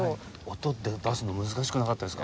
音って出すの難しくなかったですか？